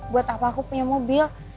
buat apa aku punya mobil